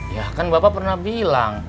ya kan bapak pernah bilang